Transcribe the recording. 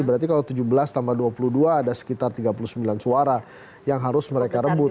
berarti kalau tujuh belas tambah dua puluh dua ada sekitar tiga puluh sembilan suara yang harus mereka rebut